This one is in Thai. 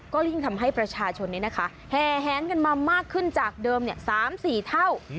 ก็ยิ่งทำให้ประชาชนนี้นะคะแหงกันมามากขึ้นจากเดิมเนี่ยสามสี่เท่า